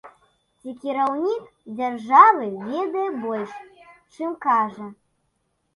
Ці кіраўнік дзяржавы ведае больш, чым кажа.